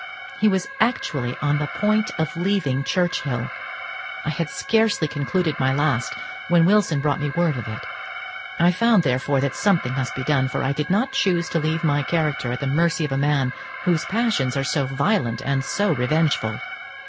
He was actually on the point of leaving Churchhill! I had scarcely concluded my last, when Wilson brought me word of it. I found, therefore, that something must be done; for I did not choose to leave my character at the mercy of a man whose passions are so violent and so revengeful.